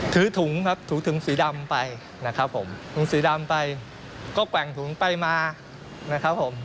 ถือถุงครับถูถุงสีดำไปนะครับผมถุงสีดำไปก็แกว่งถุงไปมานะครับผม